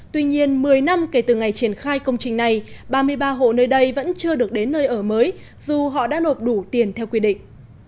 tuy nhiên một mươi năm kể từ ngày triển khai công trình này ba mươi ba hộ nơi đây vẫn chưa được đến nơi ở mới dù họ đã nộp đủ tiền theo quy định